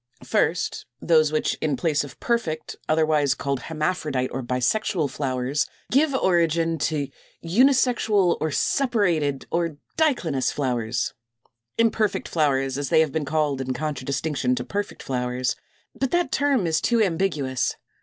First those which in place of perfect (otherwise called hermaphrodite or bisexual) flowers, give origin to 249. =Unisexual, or Separated, or Diclinous Flowers=, imperfect flowers, as they have been called in contradistinction to perfect flowers; but that term is too ambiguous.